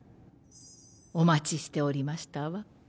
お待ちしておりましたわ。